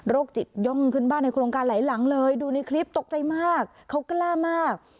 จิตย่องขึ้นบ้านในโครงการหลายหลังเลยดูในคลิปตกใจมากเขากล้ามาก